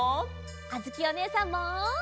あづきおねえさんも！